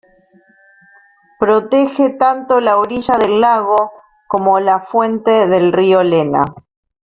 Protege tanto la orilla del lago como la fuente del río Lena.